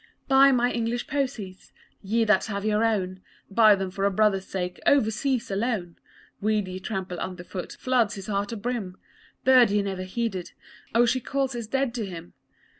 Buy my English posies! Ye that have your own, Buy them for a brother's sake Overseas, alone. Weed ye trample underfoot Floods his heart abrim Bird ye never heeded, Oh, she calls his dead to him!